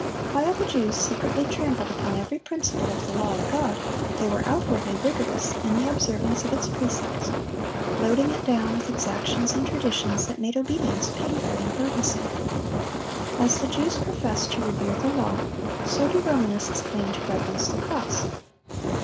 While the Jews secretly trampled upon every principle of the law of God, they were outwardly rigorous in the observance of its precepts, loading it down with exactions and traditions that made obedience painful and burdensome. As the Jews professed to revere the law, so do Romanists claim to reverence the cross.